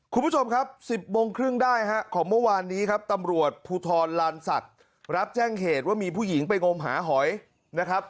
คุณผู้ชมครับ๑๐โมงครึ่งได้ฮะของเมื่อวานนี้ครับตำรวจภูทรลานศักดิ์รับแจ้งเหตุว่ามีผู้หญิงไปงมหาหอยนะครับ